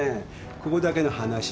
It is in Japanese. ここだけの話。